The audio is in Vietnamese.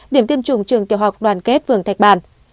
điểm tiêm chủng trường tiểu học đoàn kết phường thạch bàn